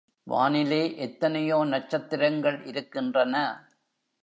வானிலே எத்தனையோ நட்சத்திரங்கள் இருக்கின்றன.